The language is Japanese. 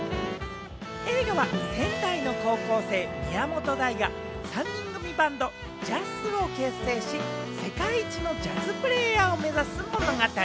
映画は仙台の高校生・宮本大が３人組バンド・ＪＡＳＳを結成し、世界一のジャズプレーヤーを目指す物語。